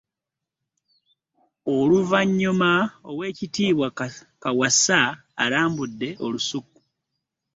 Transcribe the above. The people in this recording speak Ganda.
Oluvannyuma Oweekitiibwa Kaawaase alambudde olusuku